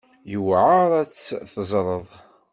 Yewɛer ad tt-teẓreḍ.